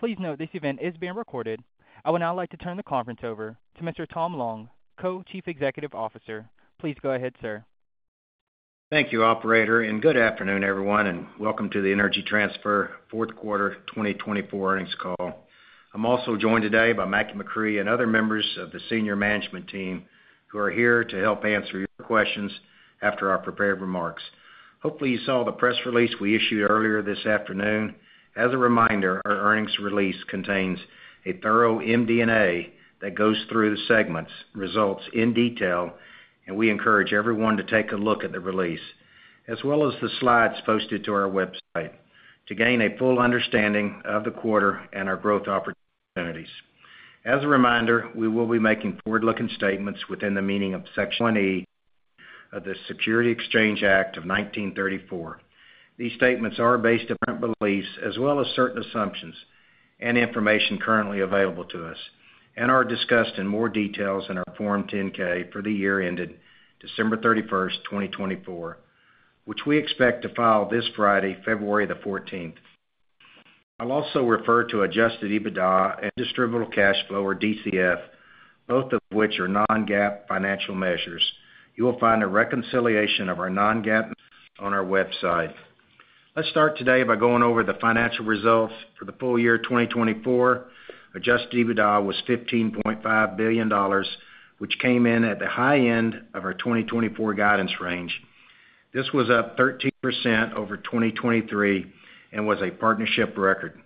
Please note this event is being recorded. I would now like to turn the conference over to Mr. Tom Long, Co-Chief Executive Officer. Please go ahead, sir. Thank you, Operator. And good afternoon, everyone, and welcome to the Energy Transfer Fourth Quarter 2024 Earnings Call. I'm also joined today by Mackie McCrea and other members of the senior management team who are here to help answer your questions after our prepared remarks. Hopefully, you saw the press release we issued earlier this afternoon. As a reminder, our earnings release contains a thorough MD&A that goes through the segments, results in detail, and we encourage everyone to take a look at the release, as well as the slides posted to our website to gain a full understanding of the quarter and our growth opportunities. As a reminder, we will be making forward-looking statements within the meaning of Section 21E of the Securities Exchange Act of 1934. These statements are based on current beliefs, as well as certain assumptions and information currently available to us, and are discussed in more detail in our Form 10-K for the year ended December 31st, 2024, which we expect to file this Friday, February the 14th. I'll also refer to Adjusted EBITDA and Distributable Cash Flow, or DCF, both of which are non-GAAP financial measures. You will find a reconciliation of our non-GAAP on our website. Let's start today by going over the financial results for the full year 2024. Adjusted EBITDA was $15.5 billion, which came in at the high end of our 2024 guidance range. This was up 13% over 2023 and was a partnership record.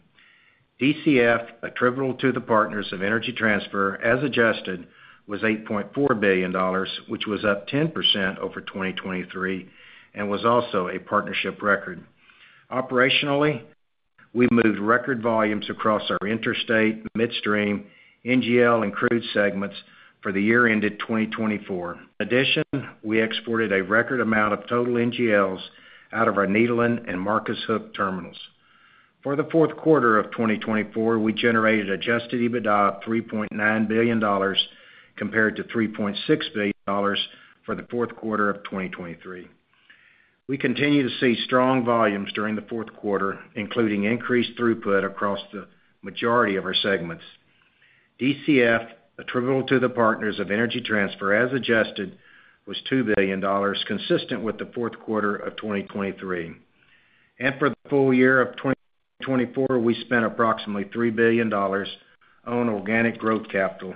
DCF, attributable to the partners of Energy Transfer as adjusted, was $8.4 billion, which was up 10% over 2023 and was also a partnership record. Operationally, we moved record volumes across our interstate, midstream, NGL, and crude segments for the year ended 2024. In addition, we exported a record amount of total NGLs out of our Nederland and Marcus Hook terminals. For the fourth quarter of 2024, we generated Adjusted EBITDA of $3.9 billion, compared to $3.6 billion for the fourth quarter of 2023. We continue to see strong volumes during the fourth quarter, including increased throughput across the majority of our segments. DCF, attributable to the partners of Energy Transfer as adjusted, was $2 billion, consistent with the fourth quarter of 2023. For the full year of 2024, we spent approximately $3 billion on organic growth capital,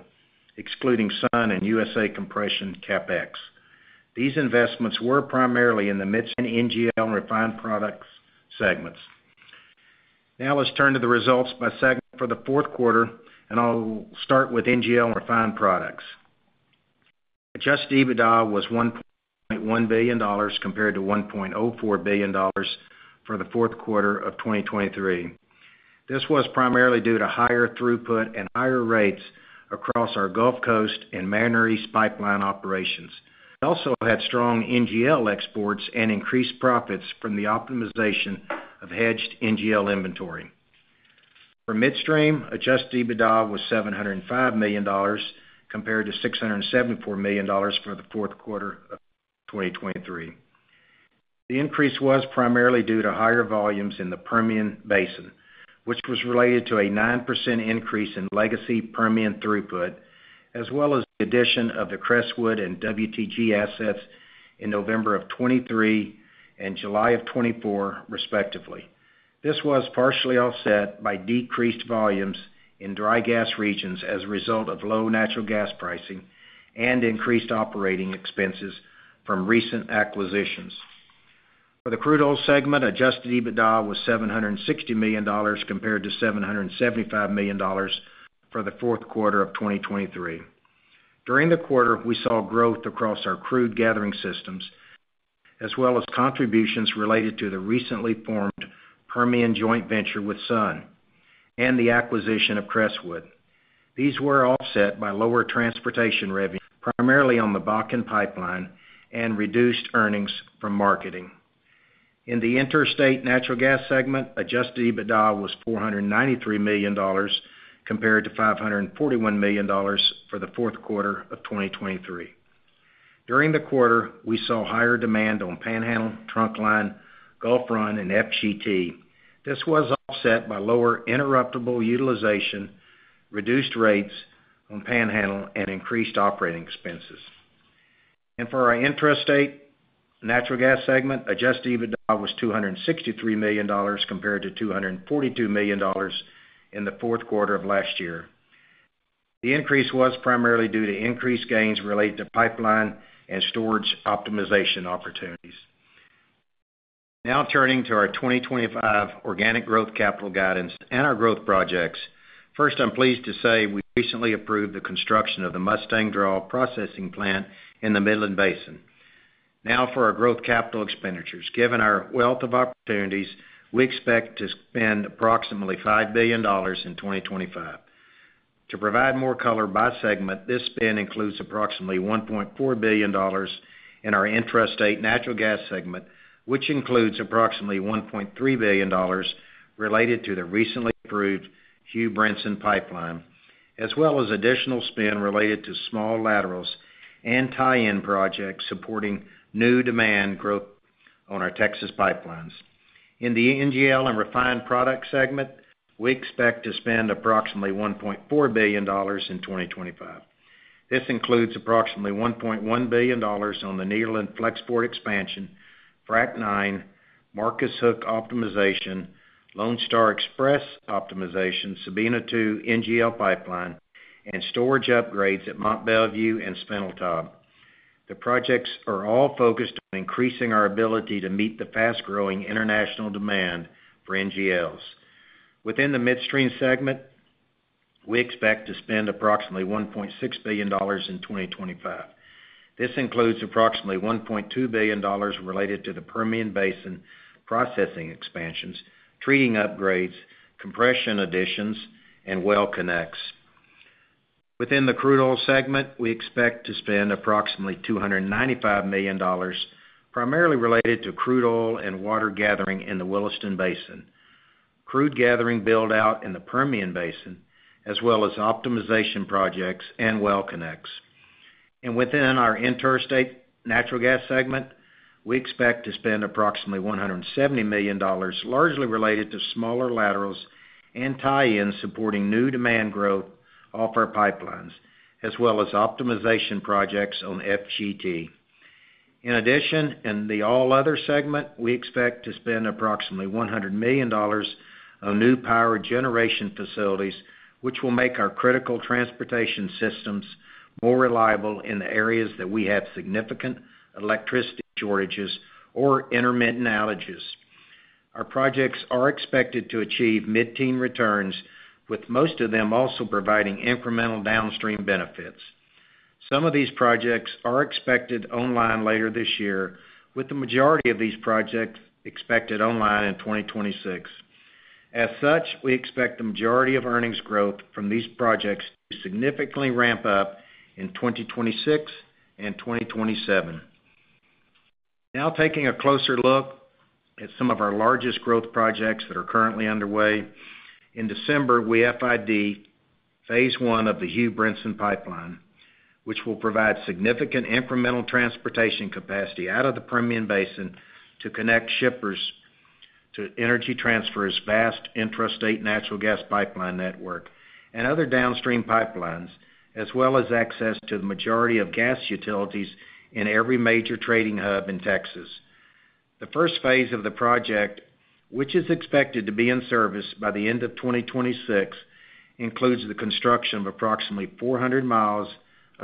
excluding Sun and USA Compression CapEx. These investments were primarily in the midstream NGL and refined products segments. Now let's turn to the results by segment for the fourth quarter, and I'll start with NGL and refined products. Adjusted EBITDA was $1.1 billion, compared to $1.04 billion for the fourth quarter of 2023. This was primarily due to higher throughput and higher rates across our Gulf Coast and Mariner East Pipeline operations. We also had strong NGL exports and increased profits from the optimization of hedged NGL inventory. For midstream, adjusted EBITDA was $705 million, compared to $674 million for the fourth quarter of 2023. The increase was primarily due to higher volumes in the Permian Basin, which was related to a 9% increase in legacy Permian throughput, as well as the addition of the Crestwood and WTG assets in November of 2023 and July of 2024, respectively. This was partially offset by decreased volumes in dry gas regions as a result of low natural gas pricing and increased operating expenses from recent acquisitions. For the crude oil segment, Adjusted EBITDA was $760 million, compared to $775 million for the fourth quarter of 2023. During the quarter, we saw growth across our crude gathering systems, as well as contributions related to the recently formed Permian joint venture with Sun and the acquisition of Crestwood. These were offset by lower transportation revenue, primarily on the Bakken Pipeline, and reduced earnings from marketing. In the interstate natural gas segment, Adjusted EBITDA was $493 million, compared to $541 million for the fourth quarter of 2023. During the quarter, we saw higher demand on Panhandle, Trunkline, Gulf Run, and FGT. This was offset by lower interruptible utilization, reduced rates on Panhandle, and increased operating expenses. For our interstate natural gas segment, Adjusted EBITDA was $263 million, compared to $242 million in the fourth quarter of last year. The increase was primarily due to increased gains related to pipeline and storage optimization opportunities. Now turning to our 2025 organic growth capital guidance and our growth projects, first, I'm pleased to say we recently approved the construction of the Mustang Draw Processing Plant in the Midland Basin. Now for our growth capital expenditures. Given our wealth of opportunities, we expect to spend approximately $5 billion in 2025. To provide more color by segment, this spend includes approximately $1.4 billion in our interstate natural gas segment, which includes approximately $1.3 billion related to the recently approved Warrior Pipeline, as well as additional spend related to small laterals and tie-in projects supporting new demand growth on our Texas pipelines. In the NGL and refined product segment, we expect to spend approximately $1.4 billion in 2025. This includes approximately $1.1 billion on the Nederland FlexPort expansion, Frac IX, Marcus Hook optimization, Lone Star Express optimization, Seminole NGL pipeline, and storage upgrades at Mont Belvieu and Spindletop. The projects are all focused on increasing our ability to meet the fast-growing international demand for NGLs. Within the midstream segment, we expect to spend approximately $1.6 billion in 2025. This includes approximately $1.2 billion related to the Permian Basin processing expansions, treating upgrades, compression additions, and well connects. Within the crude oil segment, we expect to spend approximately $295 million, primarily related to crude oil and water gathering in the Williston Basin, crude gathering build-out in the Permian Basin, as well as optimization projects and well connects. Within our interstate natural gas segment, we expect to spend approximately $170 million, largely related to smaller laterals and tie-ins supporting new demand growth off our pipelines, as well as optimization projects on FGT. In addition, in the all-other segment, we expect to spend approximately $100 million on new power generation facilities, which will make our critical transportation systems more reliable in the areas that we have significant electricity shortages or intermittent outages. Our projects are expected to achieve mid-teen returns, with most of them also providing incremental downstream benefits. Some of these projects are expected online later this year, with the majority of these projects expected online in 2026. As such, we expect the majority of earnings growth from these projects to significantly ramp up in 2026 and 2027. Now taking a closer look at some of our largest growth projects that are currently underway, in December, we FID phase one of the Warrior Pipeline, which will provide significant incremental transportation capacity out of the Permian Basin to connect shippers to Energy Transfer's vast interstate natural gas pipeline network and other downstream pipelines, as well as access to the majority of gas utilities in every major trading hub in Texas. The first phase of the project, which is expected to be in service by the end of 2026, includes the construction of approximately 400 miles of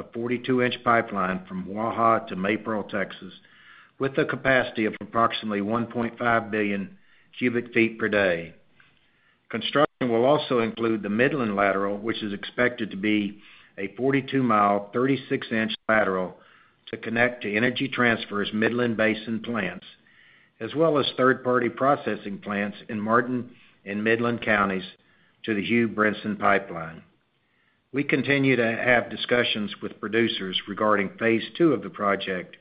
42-inch pipeline from Waha to Maypearl, Texas, with a capacity of approximately 1.5 billion cuft per day. Construction will also include the Midland lateral, which is expected to be a 42-mile, 36-inch lateral to connect to Energy Transfer's Midland Basin plants, as well as third-party processing plants in Martin and Midland counties to the Warrior Pipeline. We continue to have discussions with producers regarding phase two of the project.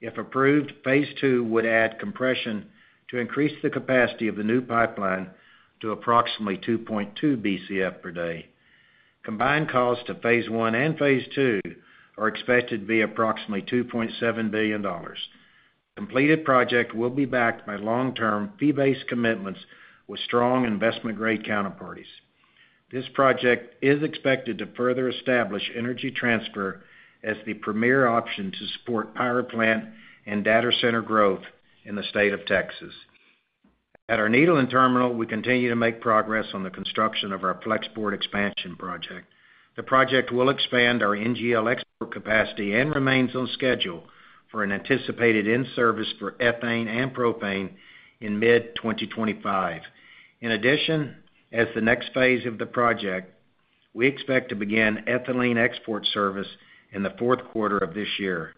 If approved, phase II would add compression to increase the capacity of the new pipeline to approximately 2.2 BCF per day. Combined cost of phase I and phase II are expected to be approximately $2.7 billion. The completed project will be backed by long-term fee-based commitments with strong investment-grade counterparties. This project is expected to further establish Energy Transfer as the premier option to support power plant and data center growth in the state of Texas. At our Nederland terminal, we continue to make progress on the construction of our FlexPort expansion project. The project will expand our NGL export capacity and remains on schedule for an anticipated in-service for ethane and propane in mid-2025. In addition, as the next phase of the project, we expect to begin ethylene export service in the fourth quarter of this year.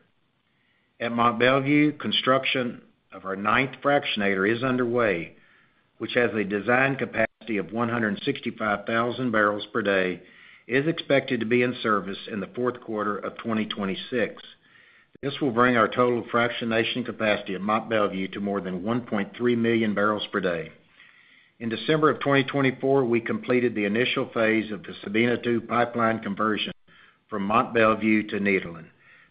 At Mont Belvieu, construction of our ninth fractionator is underway, which has a design capacity of 165,000 barrels per day, is expected to be in service in the fourth quarter of 2026. This will bring our total fractionation capacity at Mont Belvieu to more than 1.3 million barrels per day. In December of 2024, we completed the initial phase of the Seminole Pipeline conversion from Mont Belvieu to Nederland.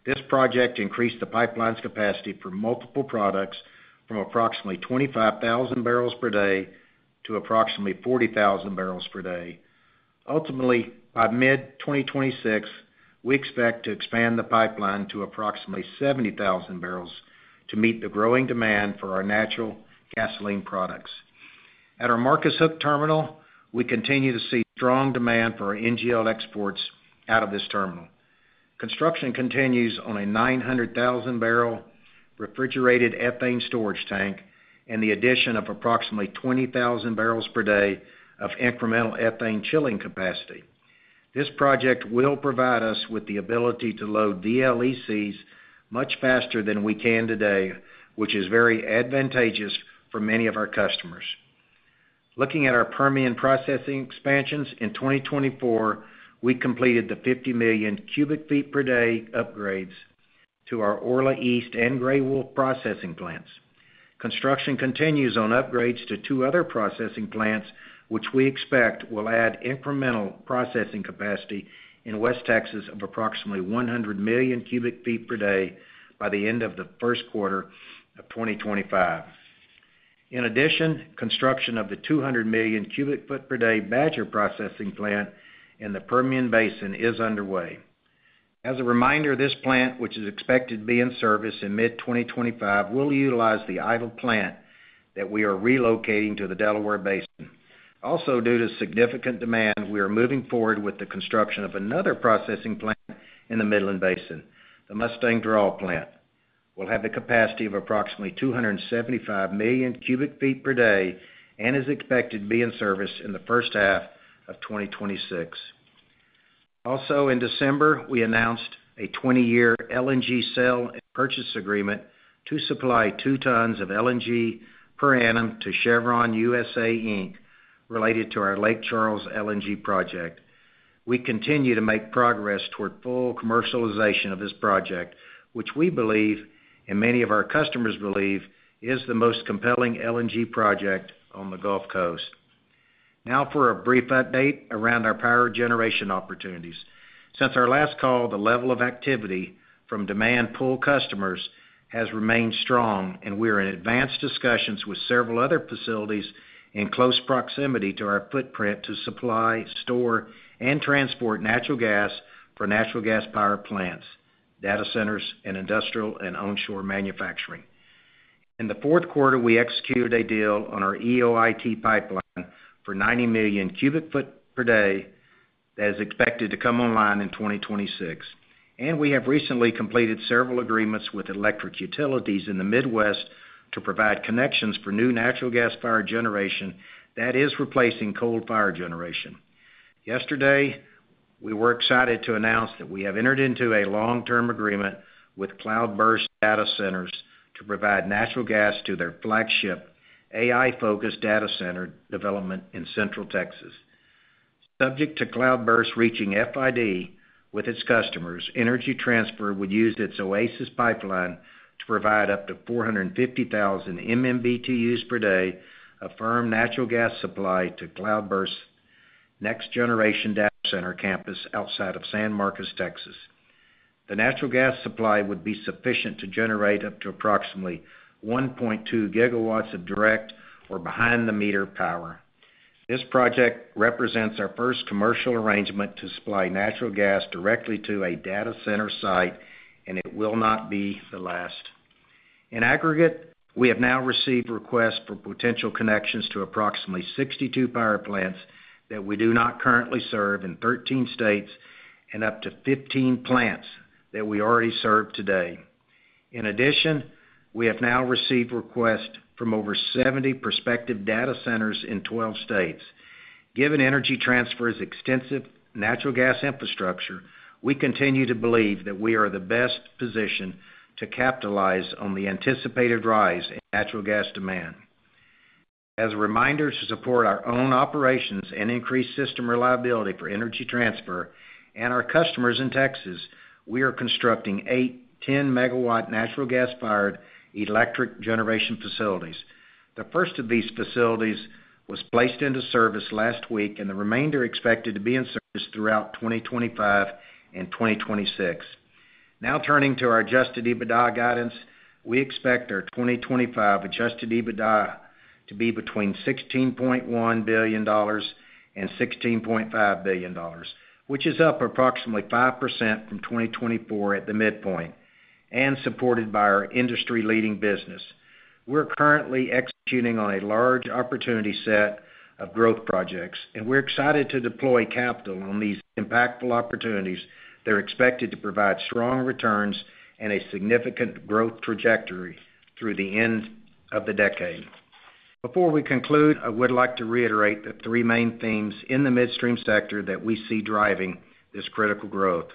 This project increased the pipeline's capacity for multiple products from approximately 25,000 barrels per day to approximately 40,000 barrels per day. Ultimately, by mid-2026, we expect to expand the pipeline to approximately 70,000 barrels to meet the growing demand for our natural gasoline products. At our Marcus Hook terminal, we continue to see strong demand for our NGL exports out of this terminal. Construction continues on a 900,000-barrel refrigerated ethane storage tank and the addition of approximately 20,000 barrels per day of incremental ethane chilling capacity. This project will provide us with the ability to load VLECs much faster than we can today, which is very advantageous for many of our customers. Looking at our Permian processing expansions in 2024, we completed the 50 million cuft per day upgrades to our Orla East and Grey Wolf processing plants. Construction continues on upgrades to two other processing plants, which we expect will add incremental processing capacity in West Texas of approximately 100 million cuft per day by the end of the first quarter of 2025. In addition, construction of the 200 million cuft per day Badger Processing Plant in the Permian Basin is underway. As a reminder, this plant, which is expected to be in service in mid-2025, will utilize the idle plant that we are relocating to the Delaware Basin. Also, due to significant demand, we are moving forward with the construction of another processing plant in the Midland Basin, the Mustang Draw Processing Plant. We'll have the capacity of approximately 275 million cuft per day and is expected to be in service in the first half of 2026. Also, in December, we announced a 20-year LNG sale and purchase agreement to supply 2 tons of LNG per annum to Chevron U.S.A. Inc. related to our Lake Charles LNG project. We continue to make progress toward full commercialization of this project, which we believe, and many of our customers believe, is the most compelling LNG project on the Gulf Coast. Now for a brief update around our power generation opportunities. Since our last call, the level of activity from demand pool customers has remained strong, and we are in advanced discussions with several other facilities in close proximity to our footprint to supply, store, and transport natural gas for natural gas power plants, data centers, and industrial and onshore manufacturing. In the fourth quarter, we executed a deal on our EOIT pipeline for 90 million cuft per day that is expected to come online in 2026. We have recently completed several agreements with electric utilities in the Midwest to provide connections for new natural gas power generation that is replacing coal power generation. Yesterday, we were excited to announce that we have entered into a long-term agreement with Cloudburst Data Centers to provide natural gas to their flagship AI-focused data center development in Central Texas. Subject to Cloudburst reaching FID with its customers, Energy Transfer would use its Oasis Pipeline to provide up to 450,000 MMBtu per day of firm natural gas supply to Cloudburst's next generation data Center campus outside of San Marcos, Texas. The natural gas supply would be sufficient to generate up to approximately 1.2 GW of direct or behind-the-meter power. This project represents our first commercial arrangement to supply natural gas directly to a data center site, and it will not be the last. In aggregate, we have now received requests for potential connections to approximately 62 power plants that we do not currently serve in 13 states and up to 15 plants that we already serve today. In addition, we have now received requests from over 70 prospective data centers in 12 states. Given Energy Transfer's extensive natural gas infrastructure, we continue to believe that we are in the best position to capitalize on the anticipated rise in natural gas demand. As a reminder to support our own operations and increase system reliability for Energy Transfer and our customers in Texas, we are constructing eight 10-MW natural gas-fired electric generation facilities. The first of these facilities was placed into service last week, and the remainder are expected to be in service throughout 2025 and 2026. Now turning to our Adjusted EBITDA guidance, we expect our 2025 Adjusted EBITDA to be between $16.1 billion and $16.5 billion, which is up approximately 5% from 2024 at the midpoint and supported by our industry-leading business. We're currently executing on a large opportunity set of growth projects, and we're excited to deploy capital on these impactful opportunities that are expected to provide strong returns and a significant growth trajectory through the end of the decade. Before we conclude, I would like to reiterate the three main themes in the midstream sector that we see driving this critical growth.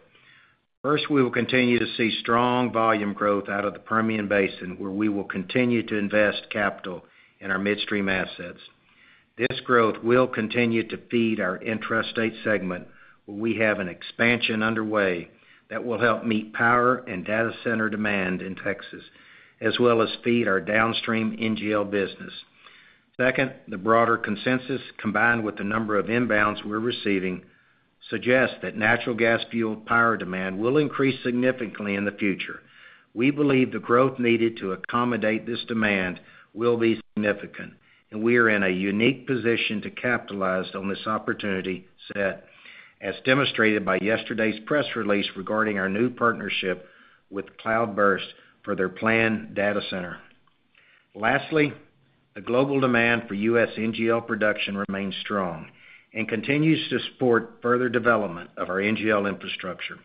First, we will continue to see strong volume growth out of the Permian Basin, where we will continue to invest capital in our midstream assets. This growth will continue to feed our interstate segment, where we have an expansion underway that will help meet power and data center demand in Texas, as well as feed our downstream NGL business. Second, the broader consensus, combined with the number of inbounds we're receiving, suggests that natural gas fuel power demand will increase significantly in the future. We believe the growth needed to accommodate this demand will be significant, and we are in a unique position to capitalize on this opportunity set, as demonstrated by yesterday's press release regarding our new partnership with Cloudburst for their planned data center. Lastly, the global demand for U.S. NGL production remains strong and continues to support further development of our NGL infrastructure.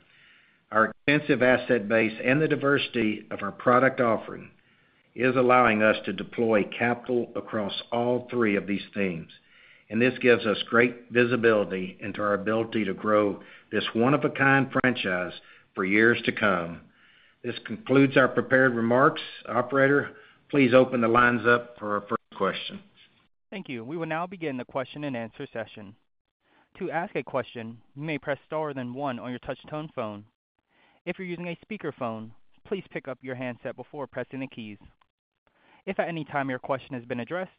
Our extensive asset base and the diversity of our product offering is allowing us to deploy capital across all three of these themes, and this gives us great visibility into our ability to grow this one-of-a-kind franchise for years to come. This concludes our prepared remarks. Operator, please open the lines up for our first question. Thank you. We will now begin the question-and-answer session. To ask a question, you may press star, then one on your touch-tone phone. If you're using a speakerphone, please pick up your handset before pressing the keys. If at any time your question has been addressed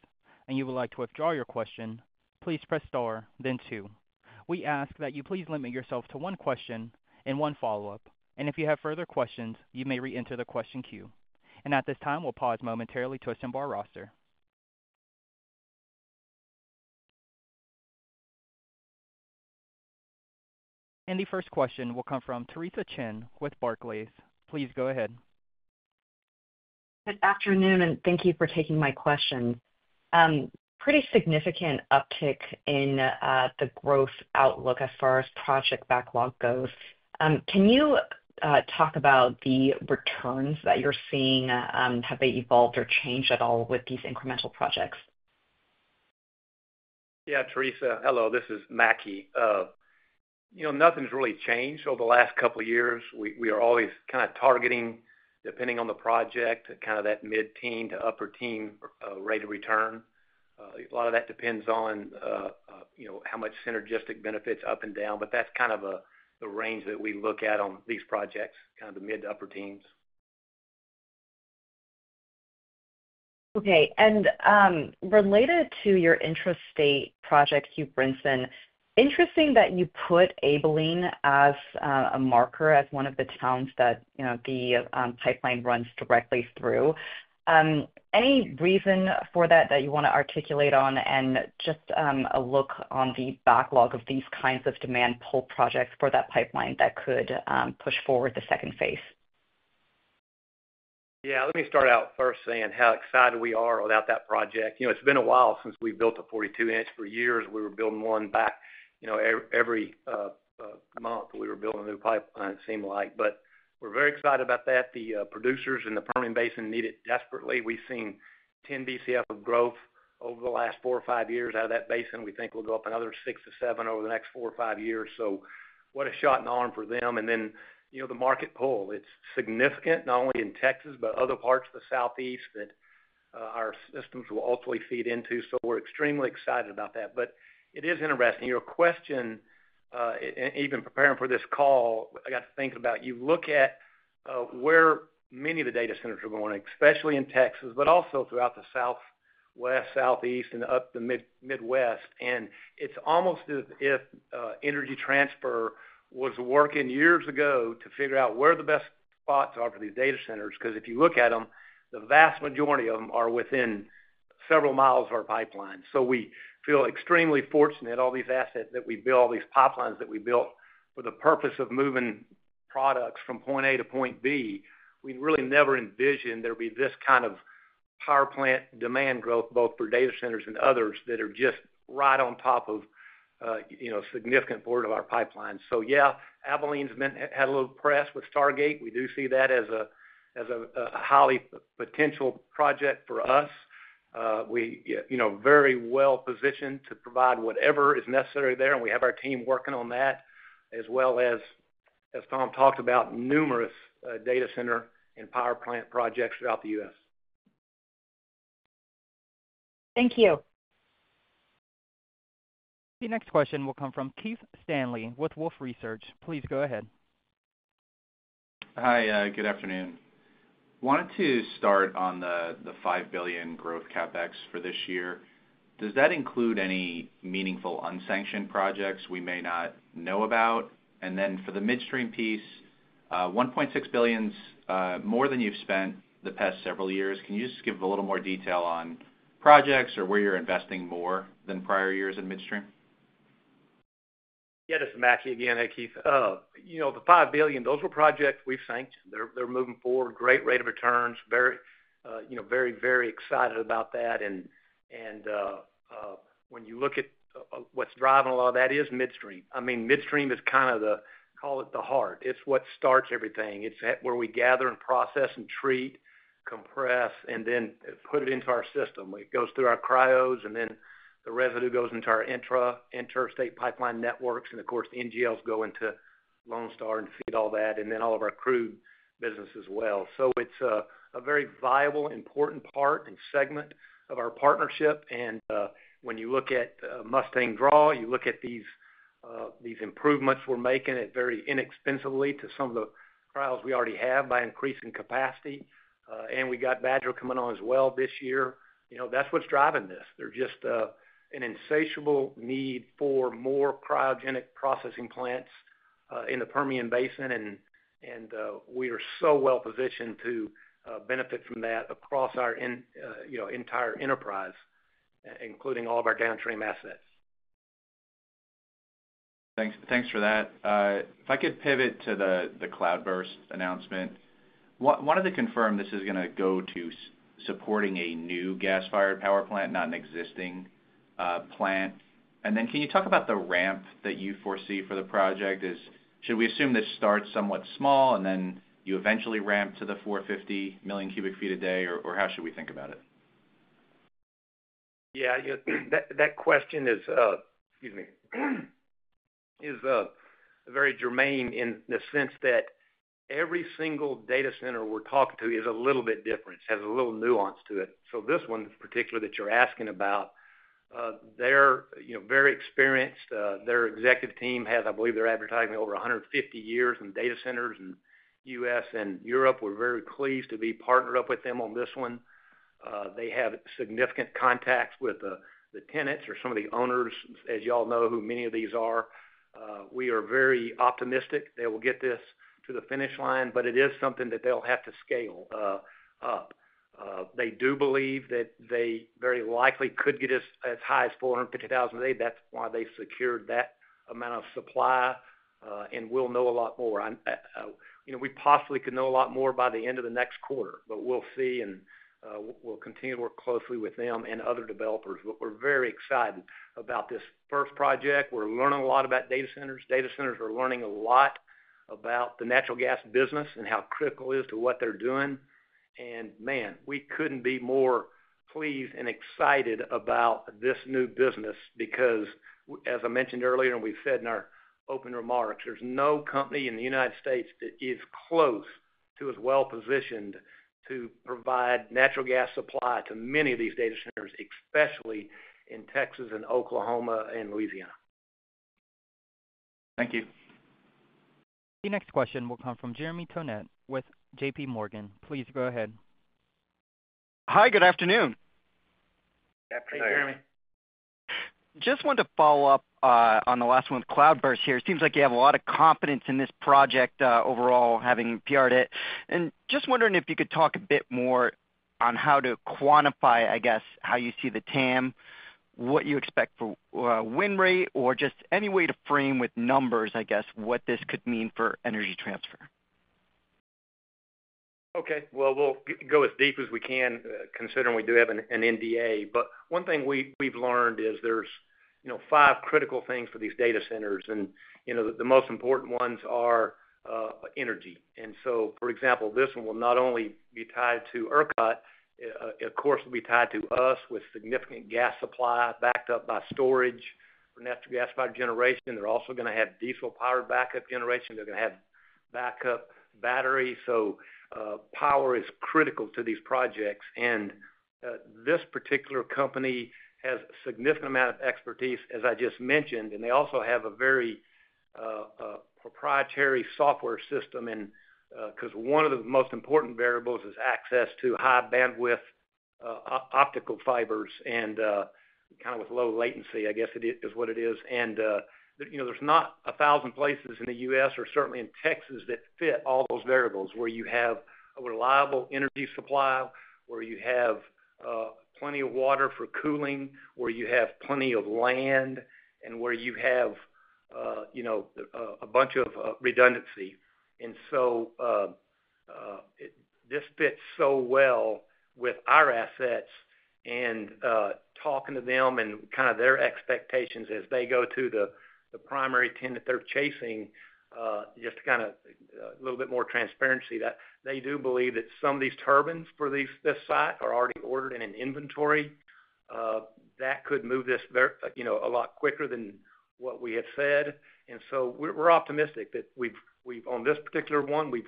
and you would like to withdraw your question, please press star, then two. We ask that you please limit yourself to one question and one follow-up. And if you have further questions, you may re-enter the question queue. At this time, we'll pause momentarily to assemble our roster. The first question will come from Theresa Chen with Barclays. Please go ahead. Good afternoon, and thank you for taking my question. Pretty significant uptick in the growth outlook as far as project backlog goes. Can you talk about the returns that you're seeing? Have they evolved or changed at all with these incremental projects? Yeah, Theresa, hello. This is Mackie. Nothing's really changed over the last couple of years. We are always kind of targeting, depending on the project, kind of that mid-teen to upper-teen rate of return. A lot of that depends on how much synergistic benefits up and down, but that's kind of the range that we look at on these projects, kind of the mid to upper-teens. Okay. Related to your interstate project, Warrior Pipeline, interesting that you put Abilene as a marker as one of the towns that the pipeline runs directly through. Any reason for that that you want to articulate on and just a look on the backlog of these kinds of demand pool projects for that pipeline that could push forward the phase II? Yeah, let me start out first saying how excited we are about that project. It's been a while since we built a 42-inch. For years, we were building one back every month. We were building a new pipeline, it seemed like. But we're very excited about that. The producers in the Permian Basin need it desperately. We've seen 10 BCF of growth over the last four or five years out of that basin. We think we'll go up another six to seven over the next four or five years. So what a shot in the arm for them. And then the market pool, it's significant not only in Texas but other parts of the Southeast that our systems will ultimately feed into. So we're extremely excited about that. But it is interesting. Your question, even preparing for this call, I got to think about you look at where many of the data centers are going, especially in Texas, but also throughout the Southwest, Southeast, and up the Midwest. And it's almost as if Energy Transfer was working years ago to figure out where the best spots are for these data centers because if you look at them, the vast majority of them are within several miles of our pipeline. So we feel extremely fortunate all these assets that we built, all these pipelines that we built for the purpose of moving products from point A to point B. We really never envisioned there would be this kind of power plant demand growth, both for data centers and others that are just right on top of a significant part of our pipeline. So yeah, Abilene's had a little press with Stargate. We do see that as a highly potential project for us. We are very well positioned to provide whatever is necessary there, and we have our team working on that, as well as, as Tom talked about, numerous data center and power plant projects throughout the U.S. Thank you. The next question will come from Keith Stanley with Wolfe Research. Please go ahead. Hi, good afternoon. Wanted to start on the $5 billion growth CapEx for this year. Does that include any meaningful unsanctioned projects we may not know about? And then for the midstream piece, $1.6 billion's more than you've spent the past several years. Can you just give a little more detail on projects or where you're investing more than prior years in midstream? Yeah, this is Mackie again. Hey, Keith. The $5 billion, those were projects we've sanctioned. They're moving forward. Great rate of returns. Very, very, very excited about that. And when you look at what's driving a lot of that is midstream. I mean, midstream is kind of the, call it the heart. It's what starts everything. It's where we gather and process and treat, compress, and then put it into our system. It goes through our cryos, and then the residue goes into our interstate pipeline networks. And of course, the NGLs go into Lone Star and feed all that, and then all of our crude business as well. So it's a very viable, important part and segment of our partnership. When you look at Mustang Draw, you look at these improvements we're making it very inexpensively to some of the cryos we already have by increasing capacity. And we got Badger coming on as well this year. That's what's driving this. There's just an insatiable need for more cryogenic processing plants in the Permian Basin, and we are so well positioned to benefit from that across our entire enterprise, including all of our downstream assets. Thanks for that. If I could pivot to the Cloudburst announcement, wanted to confirm this is going to go to supporting a new gas-fired power plant, not an existing plant. And then can you talk about the ramp that you foresee for the project? Should we assume this starts somewhat small and then you eventually ramp to the 450 million cuft a day, or how should we think about it? Yeah, that question, excuse me, is very germane in the sense that every single data center we're talking to is a little bit different, has a little nuance to it. So this one in particular that you're asking about, they're very experienced. Their executive team has, I believe they're advertising over 150 years in data centers in the U.S. and Europe. We're very pleased to be partnered up with them on this one. They have significant contacts with the tenants or some of the owners, as y'all know who many of these are. We are very optimistic they will get this to the finish line, but it is something that they'll have to scale up. They do believe that they very likely could get as high as 450,000 a day. That's why they secured that amount of supply and will know a lot more. We possibly could know a lot more by the end of the next quarter, but we'll see, and we'll continue to work closely with them and other developers, but we're very excited about this first project. We're learning a lot about data centers. Data centers are learning a lot about the natural gas business and how critical it is to what they're doing, and man, we couldn't be more pleased and excited about this new business because, as I mentioned earlier, and we've said in our open remarks, there's no company in the United States that is close to as well positioned to provide natural gas supply to many of these data centers, especially in Texas and Oklahoma and Louisiana. Thank you. The next question will come from Jeremy Tonet with J.P. Morgan. Please go ahead. Hi, good afternoon. Good afternoon. Hey, Jeremy. Just wanted to follow up on the last one with Cloudburst here. It seems like you have a lot of confidence in this project overall, having PR'd it. And just wondering if you could talk a bit more on how to quantify, I guess, how you see the TAM, what you expect for win rate, or just any way to frame with numbers, I guess, what this could mean for Energy Transfer. Okay. Well, we'll go as deep as we can, considering we do have an NDA. But one thing we've learned is there's five critical things for these data centers, and the most important ones are energy. And so, for example, this one will not only be tied to ERCOT. Of course, it will be tied to us with significant gas supply backed up by storage for natural gas power generation. They're also going to have diesel-powered backup generation. They're going to have backup batteries. So power is critical to these projects. And this particular company has a significant amount of expertise, as I just mentioned, and they also have a very proprietary software system because one of the most important variables is access to high-bandwidth optical fibers and kind of with low latency, I guess it is what it is. And there's not a thousand places in the U.S. or certainly in Texas that fit all those variables where you have a reliable energy supply, where you have plenty of water for cooling, where you have plenty of land, and where you have a bunch of redundancy. And so this fits so well with our assets and talking to them and kind of their expectations as they go to the primary tenant they're chasing. Just to kind of a little bit more transparency, that they do believe that some of these turbines for this site are already ordered and in inventory. That could move this a lot quicker than what we have said. And so we're optimistic that on this particular one, we've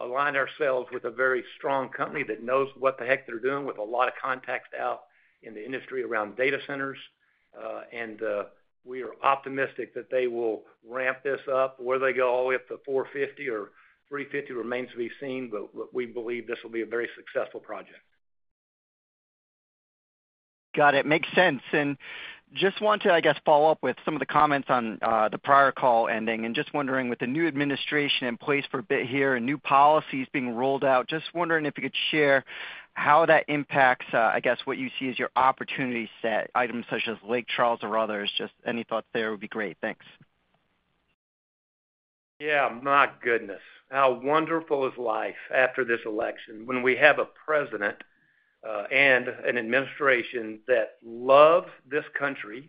aligned ourselves with a very strong company that knows what the heck they're doing with a lot of contacts out in the industry around data centers. And we are optimistic that they will ramp this up whether they go all the way up to 450 or 350 remains to be seen, but we believe this will be a very successful project. Got it. Makes sense. And just want to, I guess, follow up with some of the comments on the prior call ending. And just wondering, with the new administration in place for a bit here and new policies being rolled out, just wondering if you could share how that impacts, I guess, what you see as your opportunity set, items such as Lake Charles or others. Just any thoughts there would be great. Thanks. Yeah, my goodness. How wonderful is life after this election when we have a president and an administration that loves this country,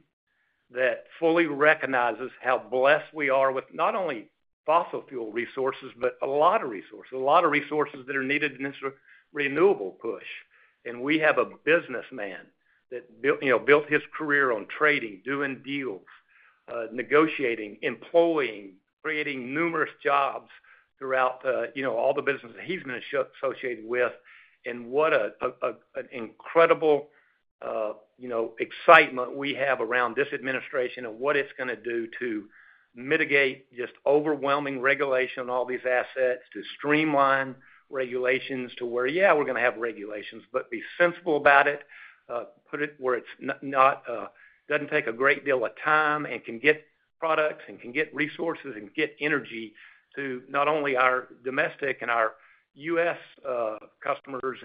that fully recognizes how blessed we are with not only fossil fuel resources, but a lot of resources, a lot of resources that are needed in this renewable push. And we have a businessman that built his career on trading, doing deals, negotiating, employing, creating numerous jobs throughout all the businesses he's been associated with. And what an incredible excitement we have around this administration and what it's going to do to mitigate just overwhelming regulation on all these assets, to streamline regulations to where, yeah, we're going to have regulations, but be sensible about it, put it where it doesn't take a great deal of time and can get products and can get resources and get energy to not only our domestic and our U.S. customers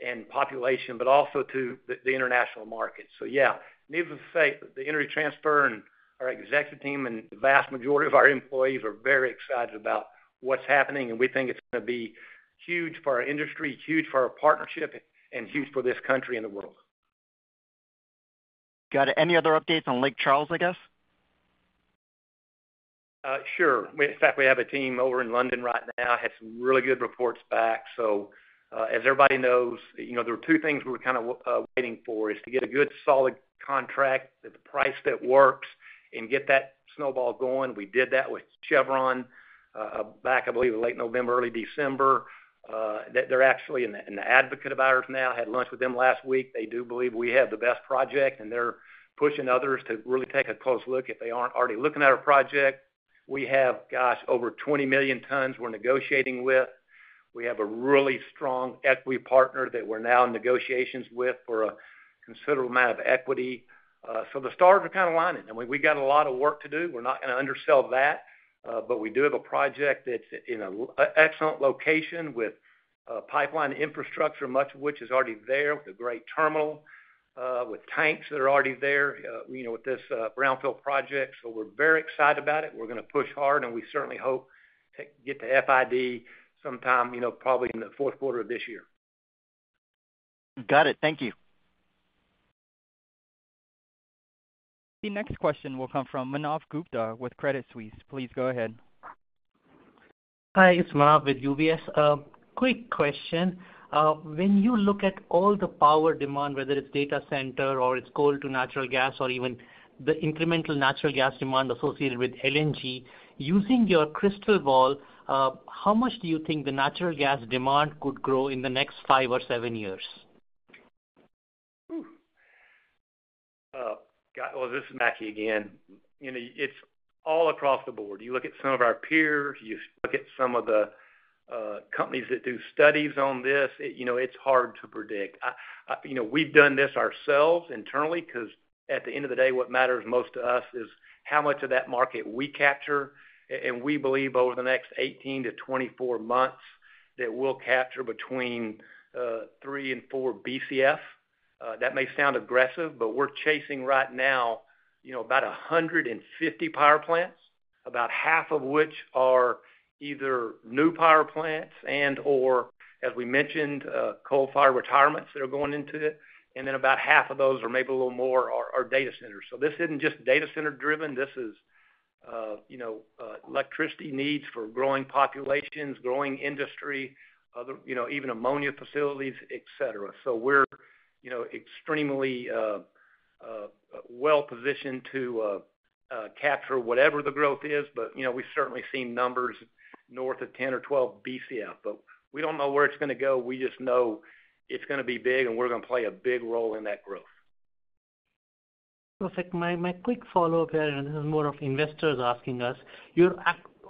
and population, but also to the international market. So yeah, needless to say, the Energy Transfer and our executive team and the vast majority of our employees are very excited about what's happening. And we think it's going to be huge for our industry, huge for our partnership, and huge for this country and the world. Got it. Any other updates on Lake Charles, I guess? Sure. In fact, we have a team over in London right now. I had some really good reports back. So as everybody knows, there were two things we were kind of waiting for: to get a good solid contract at the price that works and get that snowball going. We did that with Chevron back, I believe, in late November, early December. They're actually an advocate of ours now. I had lunch with them last week. They do believe we have the best project, and they're pushing others to really take a close look if they aren't already looking at our project. We have, gosh, over 20 million tons we're negotiating with. We have a really strong equity partner that we're now in negotiations with for a considerable amount of equity. So the stars are kind of lining. I mean, we've got a lot of work to do. We're not going to undersell that. But we do have a project that's in an excellent location with pipeline infrastructure, much of which is already there, with a great terminal, with tanks that are already there with this brownfield project. So we're very excited about it. We're going to push hard, and we certainly hope to get to FID sometime probably in the fourth quarter of this year. Got it. Thank you. The next question will come from Manav Gupta with UBS. Please go ahead. Hi, it's Manav with UBS. Quick question. When you look at all the power demand, whether it's data center or it's coal to natural gas or even the incremental natural gas demand associated with LNG, using your crystal ball, how much do you think the natural gas demand could grow in the next five or seven years? Well, this is Mackie again. It's all across the board. You look at some of our peers, you look at some of the companies that do studies on this, it's hard to predict. We've done this ourselves internally because at the end of the day, what matters most to us is how much of that market we capture. And we believe over the next 18-24 months that we'll capture between 3 and 4 BCF. That may sound aggressive, but we're chasing right now about 150 power plants, about half of which are either new power plants and/or, as we mentioned, coal-fired retirements that are going into it. And then about half of those, or maybe a little more, are data centers. So this isn't just data center-driven. This is electricity needs for growing populations, growing industry, even ammonia facilities, etc. So we're extremely well positioned to capture whatever the growth is, but we certainly see numbers north of 10 or 12 BCF. But we don't know where it's going to go. We just know it's going to be big, and we're going to play a big role in that growth. Perfect. My quick follow-up here, and this is more of investors asking us. You're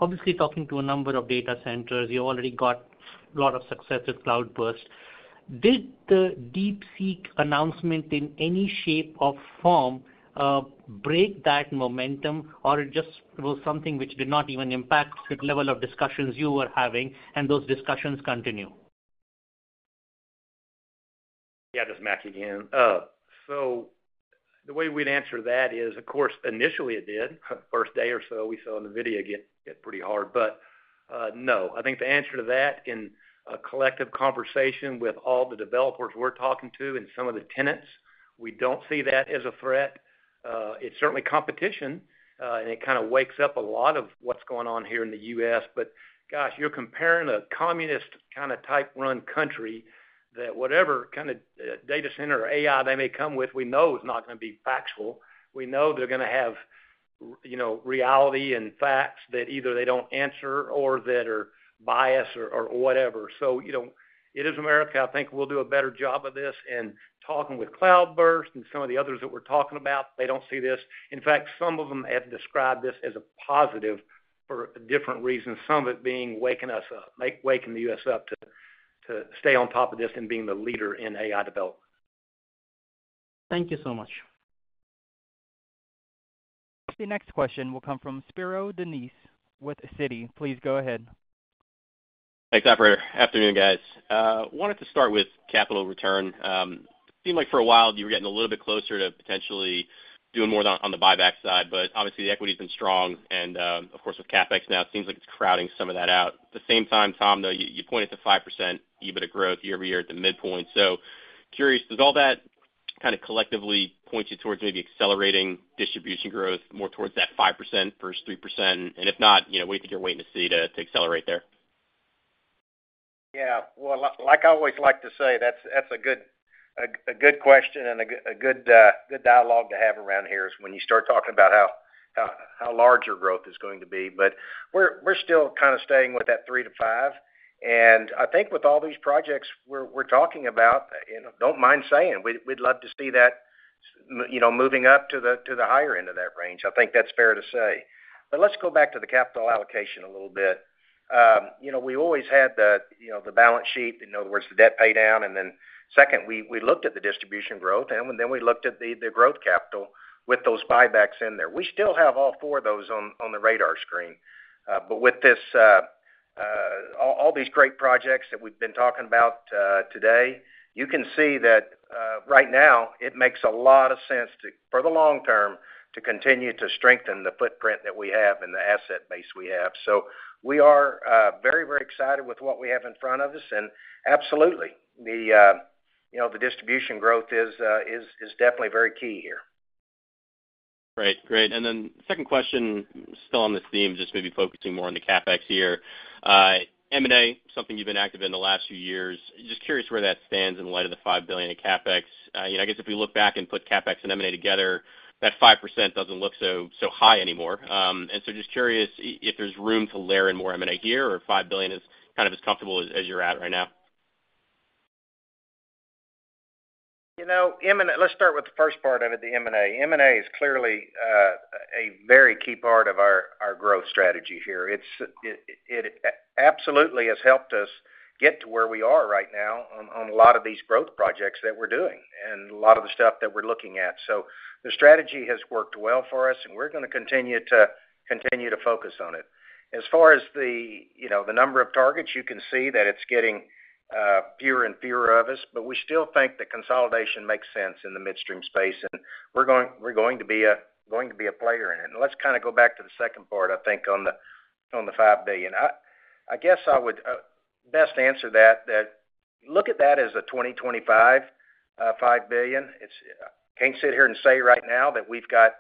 obviously talking to a number of data centers. You already got a lot of success with Cloudburst. Did the DeepSeek announcement in any shape or form break that momentum, or it just was something which did not even impact the level of discussions you were having, and those discussions continue? Yeah, this is Mackie again. So the way we'd answer that is, of course, initially it did. First day or so, we saw Nvidia hit pretty hard. But no, I think the answer to that in a collective conversation with all the developers we're talking to and some of the tenants, we don't see that as a threat. It's certainly competition, and it kind of wakes up a lot of what's going on here in the U.S. But gosh, you're comparing a communist kind of type run country that whatever kind of data center or AI they may come with, we know it's not going to be factual. We know they're going to have reality and facts that either they don't answer or that are biased or whatever. So it is America. I think we'll do a better job of this. And talking with Cloudburst and some of the others that we're talking about, they don't see this. In fact, some of them have described this as a positive for different reasons, some of it being waking us up, waking the U.S. up to stay on top of this and being the leader in AI development. Thank you so much. The next question will come from Spiro Dounis with Citi. Please go ahead. Hey, Kelcy. Afternoon, guys. Wanted to start with capital return. Seemed like for a while you were getting a little bit closer to potentially doing more on the buyback side, but obviously the equity has been strong. And of course, with CapEx now, it seems like it's crowding some of that out. At the same time, Tom, though, you pointed to 5% EBITDA growth year over year at the midpoint. So curious, does all that kind of collectively point you towards maybe accelerating distribution growth more towards that 5% versus 3%? If not, what do you think you're waiting to see to accelerate there? Yeah. Well, like I always like to say, that's a good question and a good dialogue to have around here when you start talking about how large your growth is going to be. We're still kind of staying with that 3-5. I think with all these projects we're talking about, don't mind saying, we'd love to see that moving up to the higher end of that range. I think that's fair to say. Let's go back to the capital allocation a little bit. We always had the balance sheet, in other words, the debt pay down. Then second, we looked at the distribution growth, and then we looked at the growth capital with those buybacks in there. We still have all four of those on the radar screen. But with all these great projects that we've been talking about today, you can see that right now it makes a lot of sense for the long term to continue to strengthen the footprint that we have and the asset base we have. So we are very, very excited with what we have in front of us. And absolutely, the distribution growth is definitely very key here. Great. Great. And then second question, still on this theme, just maybe focusing more on the CapEx here. M&A, something you've been active in the last few years. Just curious where that stands in light of the $5 billion of CapEx. I guess if we look back and put CapEx and M&A together, that 5% doesn't look so high anymore. So just curious if there's room to layer in more M&A here or if $5 billion is kind of as comfortable as you're at right now. Let's start with the first part of it, the M&A. M&A is clearly a very key part of our growth strategy here. It absolutely has helped us get to where we are right now on a lot of these growth projects that we're doing and a lot of the stuff that we're looking at. So the strategy has worked well for us, and we're going to continue to focus on it. As far as the number of targets, you can see that it's getting fewer and fewer of us, but we still think that consolidation makes sense in the midstream space, and we're going to be a player in it. And let's kind of go back to the second part, I think, on the $5 billion. I guess I would best answer that, look at that as a 2025 $5 billion. I can't sit here and say right now that we've got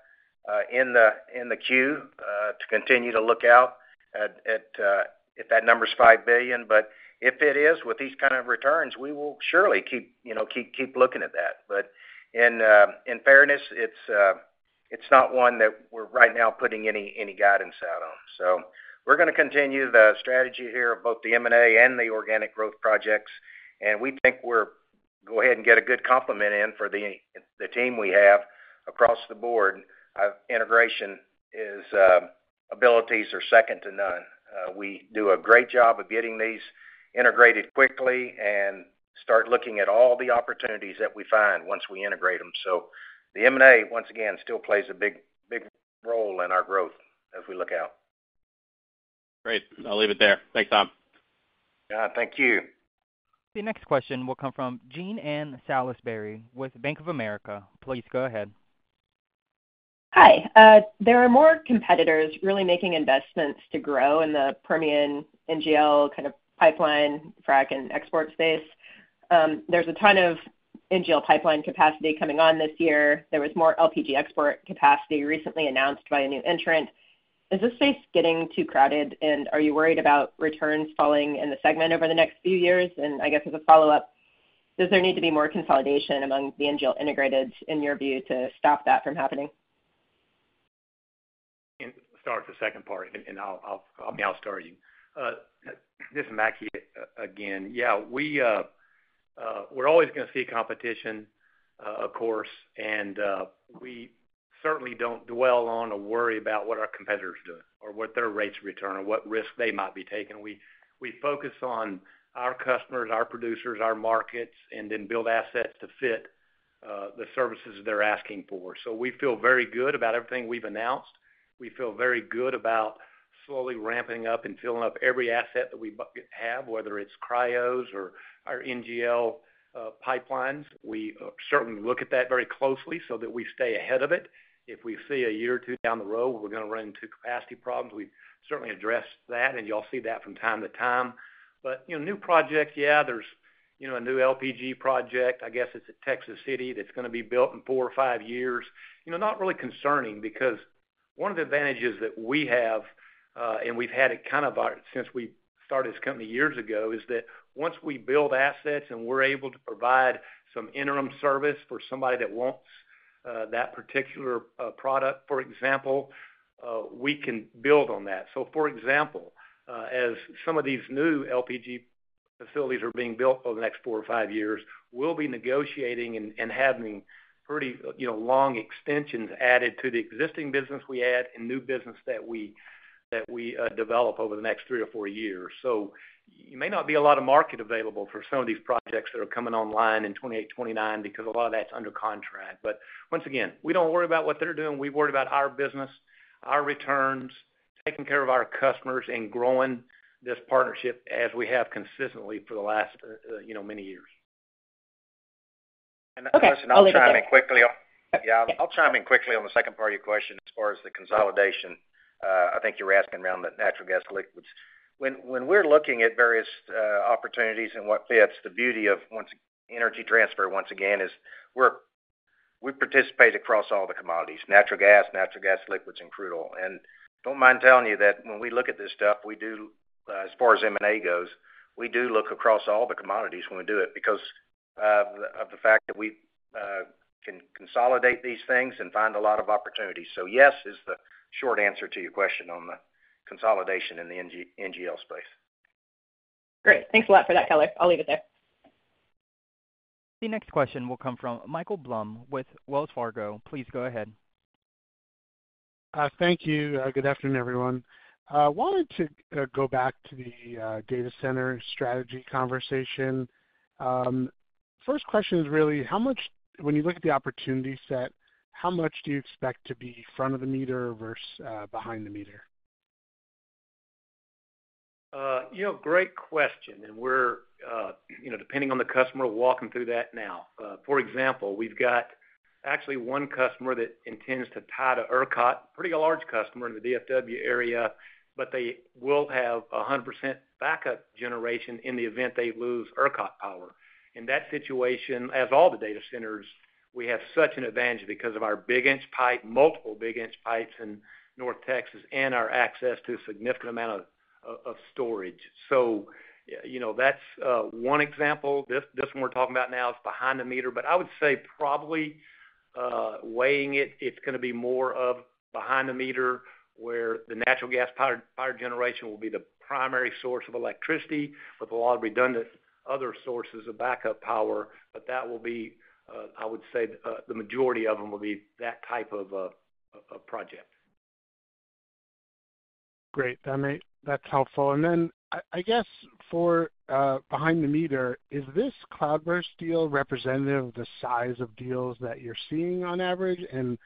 in the queue to continue to look out at that number's $5 billion. But if it is, with these kind of returns, we will surely keep looking at that. But in fairness, it's not one that we're right now putting any guidance out on. So we're going to continue the strategy here of both the M&A and the organic growth projects. And we think we're going to go ahead and get a good complement in for the team we have across the board. Integration abilities are second to none. We do a great job of getting these integrated quickly and start looking at all the opportunities that we find once we integrate them. So the M&A, once again, still plays a big role in our growth as we look out. Great. I'll leave it there. Thanks, Tom. Yeah, thank you. The next question will come from Jean Ann Salisbury with Bank of America. Please go ahead. Hi. There are more competitors really making investments to grow in the Permian NGL kind of pipeline, frac, and export space. There's a ton of NGL pipeline capacity coming on this year. There was more LPG export capacity recently announced by a new entrant. Is this space getting too crowded, and are you worried about returns falling in the segment over the next few years? I guess as a follow-up, does there need to be more consolidation among the NGL integrated, in your view, to stop that from happening? To start the second part, I'll now start you. This is Mackie again. Yeah, we're always going to see competition, of course. We certainly don't dwell on or worry about what our competitors are doing or what their rate returns or what risk they might be taking. We focus on our customers, our producers, our markets, and then build assets to fit the services they're asking for. We feel very good about everything we've announced. We feel very good about slowly ramping up and filling up every asset that we have, whether it's cryos or our NGL pipelines. We certainly look at that very closely so that we stay ahead of it. If we see a year or two down the road, we're going to run into capacity problems. We've certainly addressed that, and you'll see that from time to time. But new projects, yeah, there's a new LPG project. I guess it's at Texas City that's going to be built in four or five years. Not really concerning because one of the advantages that we have, and we've had it kind of since we started this company years ago, is that once we build assets and we're able to provide some interim service for somebody that wants that particular product, for example, we can build on that. So for example, as some of these new LPG facilities are being built over the next four or five years, we'll be negotiating and having pretty long extensions added to the existing business we add and new business that we develop over the next three or four years. So you may not be a lot of market available for some of these projects that are coming online in 2028, 2029 because a lot of that's under contract. But once again, we don't worry about what they're doing. We worry about our business, our returns, taking care of our customers, and growing this partnership as we have consistently for the last many years. And that question, I'll chime in quickly. Yeah, I'll chime in quickly on the second part of your question as far as the consolidation. I think you were asking around the natural gas liquids. When we're looking at various opportunities and what fits, the beauty of Energy Transfer once again is we participate across all the commodities: natural gas, natural gas liquids, and crude. And don't mind telling you that when we look at this stuff, as far as M&A goes, we do look across all the commodities when we do it because of the fact that we can consolidate these things and find a lot of opportunities. So yes is the short answer to your question on the consolidation in the NGL space. Great. Thanks a lot for that, Kelcy. I'll leave it there. The next question will come from Michael Blum with Wells Fargo. Please go ahead. Thank you. Good afternoon, everyone. I wanted to go back to the data center strategy conversation. First question is really, when you look at the opportunity set, how much do you expect to be front of the meter versus behind the meter? Great question. And we're depending on the customer walking through that now. For example, we've got actually one customer that intends to tie to ERCOT, pretty large customer in the DFW area, but they will have 100% backup generation in the event they lose ERCOT power. In that situation, as all the data centers, we have such an advantage because of our big-inch pipe, multiple big-inch pipes in North Texas, and our access to a significant amount of storage. So that's one example. This one we're talking about now is behind the meter, but I would say probably weighing it, it's going to be more of behind the meter where the natural gas power generation will be the primary source of electricity with a lot of redundant other sources of backup power. But that will be, I would say, the majority of them will be that type of project. Great. That's helpful. And then I guess for behind the meter, is this Cloudburst deal representative of the size of deals that you're seeing on average? And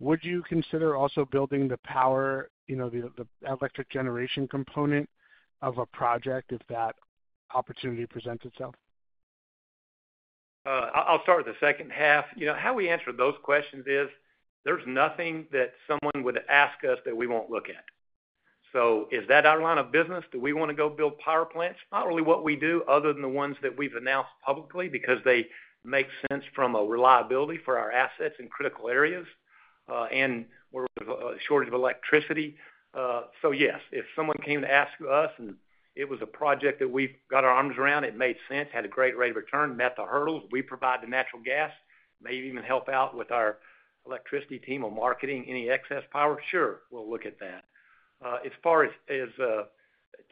would you consider also building the power, the electric generation component of a project if that opportunity presents itself? I'll start with the second half. How we answer those questions is there's nothing that someone would ask us that we won't look at. So is that our line of business? Do we want to go build power plants? Not really what we do other than the ones that we've announced publicly because they make sense from a reliability for our assets in critical areas and where we have a shortage of electricity. So yes, if someone came to ask us and it was a project that we've got our arms around, it made sense, had a great rate of return, met the hurdles, we provide the natural gas, may even help out with our electricity team or marketing any excess power, sure, we'll look at that. As far as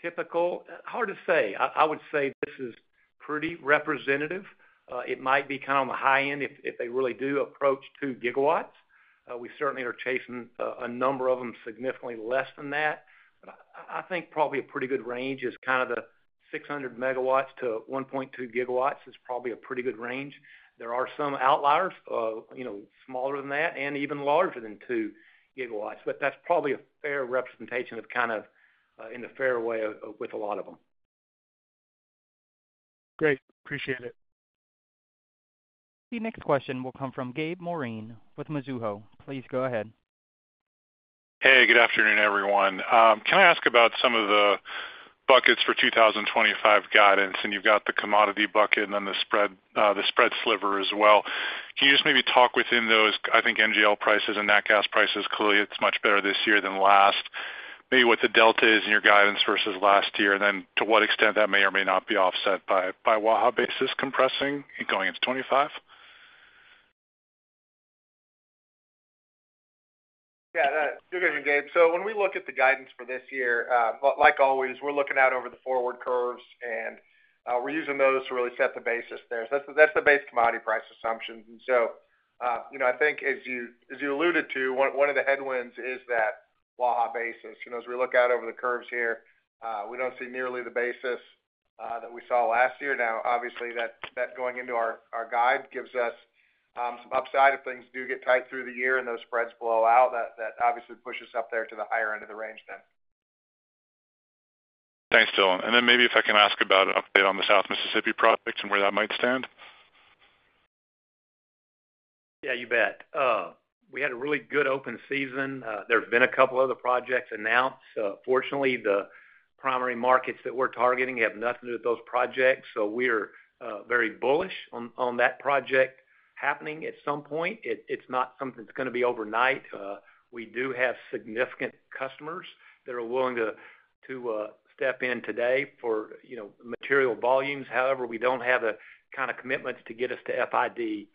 typical, hard to say. I would say this is pretty representative. It might be kind of on the high end if they really do approach 2 GW. We certainly are chasing a number of them significantly less than that. But I think probably a pretty good range is kind of the 600 MW to 1.2 GW is probably a pretty good range. There are some outliers, smaller than that and even larger than 2 GW. But that's probably a fair representation of kind of in a fair way with a lot of them. Great. Appreciate it. The next question will come from Gabe Moreen with Mizuho. Please go ahead. Hey, good afternoon, everyone. Can I ask about some of the buckets for 2025 guidance? And you've got the commodity bucket and then the spread sliver as well. Can you just maybe talk within those, I think, NGL prices and natural gas prices? Clearly, it's much better this year than last. Maybe what the delta is in your guidance versus last year, and then to what extent that may or may not be offset by Waha basis compressing and going into 2025? Yeah, good evening, Gabe. So when we look at the guidance for this year, like always, we're looking out over the forward curves, and we're using those to really set the basis there. So that's the base commodity price assumptions. And so I think, as you alluded to, one of the headwinds is that Waha basis. As we look out over the curves here, we don't see nearly the basis that we saw last year. Now, obviously, that going into our guide gives us some upside if things do get tight through the year and those spreads blow out. That obviously pushes us up there to the higher end of the range then. Thanks, Tom. And then maybe if I can ask about an update on the South Mississippi project and where that might stand. Yeah, you bet. We had a really good open season. There've been a couple of other projects announced. Fortunately, the primary markets that we're targeting have nothing to do with those projects. So we are very bullish on that project happening at some point. It's not something that's going to be overnight. We do have significant customers that are willing to step in today for material volumes. However, we don't have the kind of commitments to get us to FID.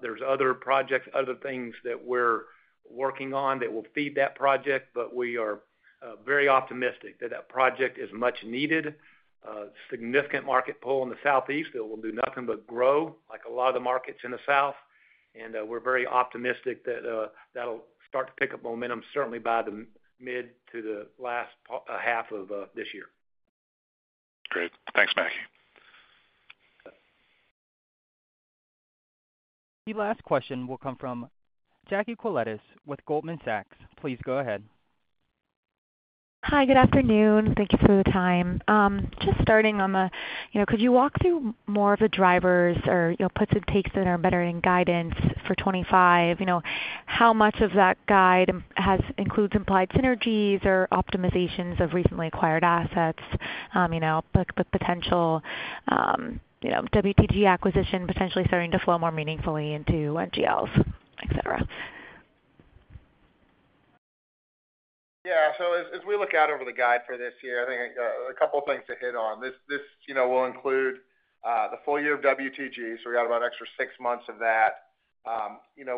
There's other projects, other things that we're working on that will feed that project, but we are very optimistic that that project is much needed. Significant market pull in the Southeast that will do nothing but grow like a lot of the markets in the South. And we're very optimistic that that'll start to pick up momentum certainly by the mid to the last half of this year. Great. Thanks, Mackie. The last question will come from Jackie Koletas with Goldman Sachs. Please go ahead. Hi, good afternoon. Thank you for the time. Just starting on the, could you walk through more of the drivers or puts and takes that are better in guidance for 2025? How much of that guide includes implied synergies or optimizations of recently acquired assets, the potential WTG acquisition potentially starting to flow more meaningfully into NGLs, etc.? Yeah. So as we look out over the guide for this year, I think a couple of things to hit on. This will include the full year of WTG. So we got about extra six months of that.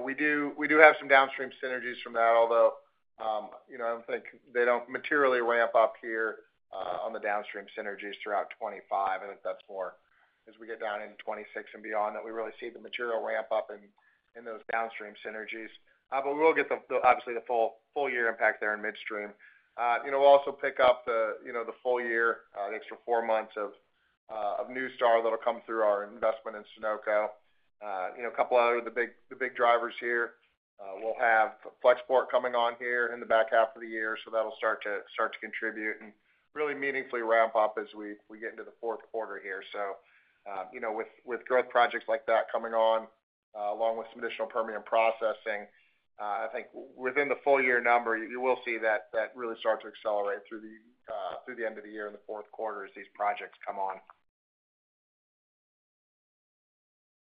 We do have some downstream synergies from that, although I don't think they don't materially ramp up here on the downstream synergies throughout 2025. I think that's more as we get down into 2026 and beyond that we really see the material ramp up in those downstream synergies. But we'll get the, obviously, the full year impact there in midstream. We'll also pick up the full year, the extra four months of NuStar that'll come through our investment in Sunoco. A couple of other of the big drivers here. We'll have FlexPort coming on here in the back half of the year. So that'll start to contribute and really meaningfully ramp up as we get into the fourth quarter here. So with growth projects like that coming on, along with some additional Permian processing, I think within the full year number, you will see that really start to accelerate through the end of the year in the fourth quarter as these projects come on.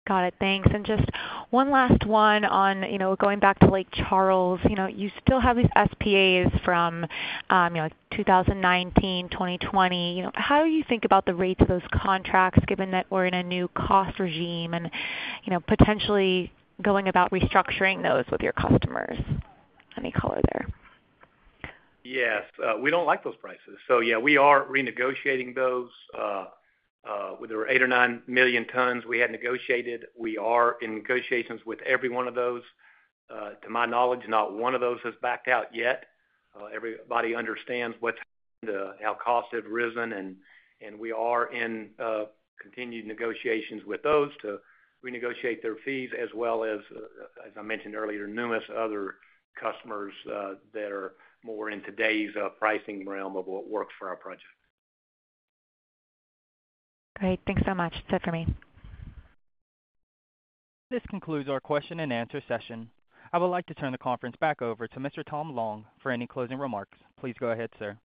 Got it. Thanks. And just one last one on going back to Lake Charles. You still have these SPAs from 2019, 2020. How do you think about the rates of those contracts given that we're in a new cost regime and potentially going about restructuring those with your customers? Any color there? Yes. We don't like those prices. So yeah, we are renegotiating those. There were eight or nine million tons we had negotiated. We are in negotiations with every one of those. To my knowledge, not one of those has backed out yet. Everybody understands how costs have risen. And we are in continued negotiations with those to renegotiate their fees as well as, as I mentioned earlier, numerous other customers that are more in today's pricing realm of what works for our project. Great. Thanks so much. That's it for me. This concludes our question and answer session. I would like to turn the conference back over to Mr. Tom Long for any closing remarks. Please go ahead, sir.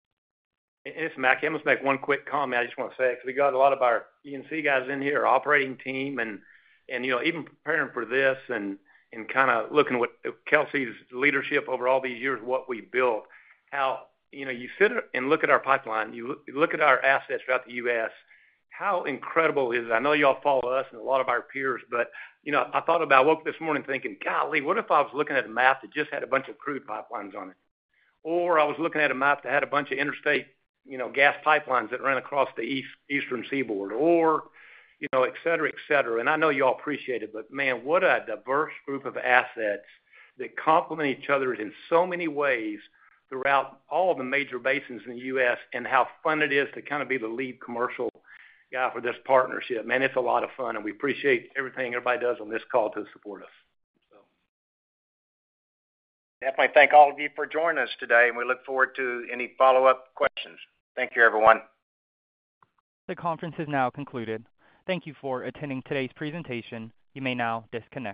Yes, Mackie. I must make one quick comment. I just want to say because we got a lot of our E&C guys in here, operating team, and even preparing for this and kind of looking at Kelcy's leadership over all these years, what we built, how you sit and look at our pipeline, you look at our assets throughout the U.S., how incredible it is. I know you all follow us and a lot of our peers, but I thought about it. I woke up this morning thinking, "Golly, what if I was looking at a map that just had a bunch of crude pipelines on it?" Or I was looking at a map that had a bunch of interstate gas pipelines that ran across the Eastern Seaboard, or etc., etc. And I know you all appreciate it, but man, what a diverse group of assets that complement each other in so many ways throughout all the major basins in the U.S. and how fun it is to kind of be the lead commercial guy for this partnership. Man, it's a lot of fun. And we appreciate everything everybody does on this call to support us, so. Definitely thank all of you for joining us today. And we look forward to any follow-up questions. Thank you, everyone. The conference has now concluded. Thank you for attending today's presentation. You may now disconnect.